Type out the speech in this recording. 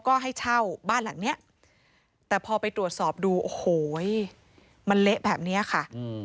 โอ้โหมันเละแบบนี้ค่ะ